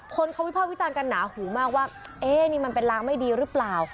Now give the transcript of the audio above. คนเขาวิภาควิจารณ์กันหนาหูมากว่าเอ๊ะนี่มันเป็นรางไม่ดีหรือเปล่า